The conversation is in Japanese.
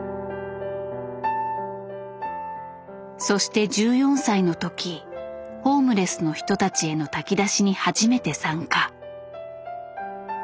そして１４歳の時ホームレスの人たちへの炊き出しに初めて参加。